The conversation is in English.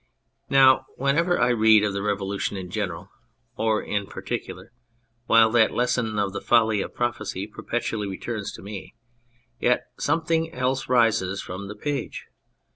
Now, whenever I read of the Revolution, in general or in particular, while that lesson of the folly of prophecy perpetually returns to me, yet something else rises from the page.